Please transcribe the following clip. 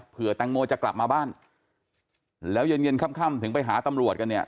แตงโมจะกลับมาบ้านแล้วเย็นเย็นค่ำถึงไปหาตำรวจกันเนี่ย